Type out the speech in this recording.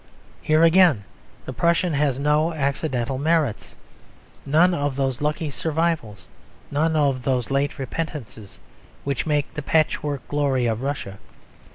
Here again the Prussian has no accidental merits, none of those lucky survivals, none of those late repentances, which make the patchwork glory of Russia.